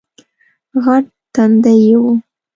غټ تندی یې وو